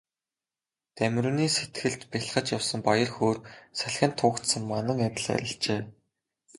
Дамираны сэтгэлд бялхаж явсан баяр хөөр салхинд туугдсан манан адил арилжээ.